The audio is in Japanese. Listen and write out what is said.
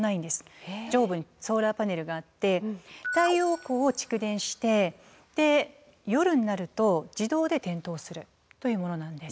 上部にソーラーパネルがあって太陽光を蓄電して夜になると自動で点灯するというものなんです。